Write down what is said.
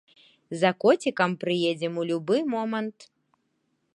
За коцікам прыедзем у любы момант!